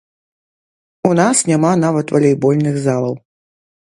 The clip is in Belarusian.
У нас няма нават валейбольных залаў.